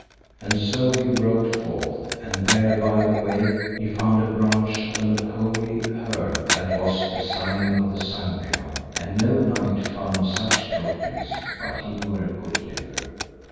And so he rode forth, and there by the way he found a branch of an holy herb that was the sign of the Sangreal, and no knight found such tokens but he were a good liver.